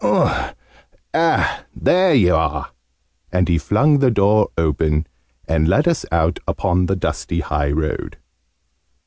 There you are!" And he flung the door open, and let us out upon the dusty high road.